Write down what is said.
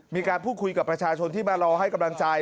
มีการพูดคุยกับประชาชนที่มารอให้กำลังใจ